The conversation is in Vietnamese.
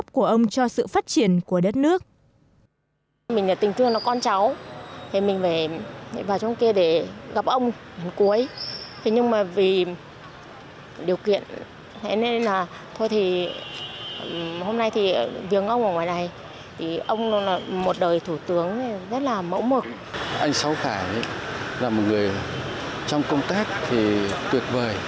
cho nên đúng như thế